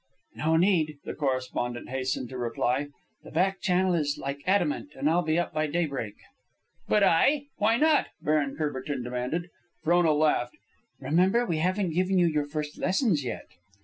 "No need," the correspondent hastened to reply. "The back channel is like adamant, and I'll be up by daybreak." "But I? Why not?" Baron Courbertin demanded. Frona laughed. "Remember, we haven't given you your first lessons yet."